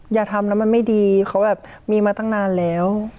อย่าทำแล้วมันไม่ดีเขาแบบมีมาตั้งนานแล้ว